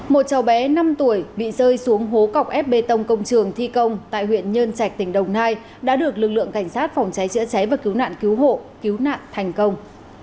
một cháu bé năm tuổi bị rơi xuống hố cọc ép bê tông công trường thi công tại huyện nhơn trạch tỉnh đồng nai đã được lực lượng cảnh sát phòng cháy chữa cháy và cứu nạn cứu hộ cứu nạn thành công